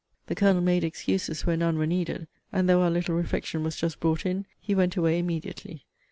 The Colonel made excuses where none were needed; and though our little refection was just brought in, he went away immediately.